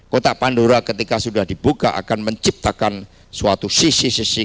kota pandora ketika sudah dibuka akan menciptakan suatu sisi sisi